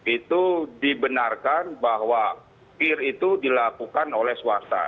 itu dibenarkan bahwa kir itu dilakukan oleh swasta